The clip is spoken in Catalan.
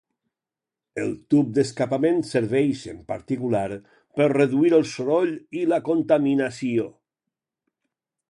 El tub d'escapament serveix, en particular, per reduir el soroll i la contaminació.